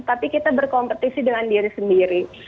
tapi kita berkompetisi dengan diri sendiri